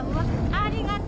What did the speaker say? ありがと！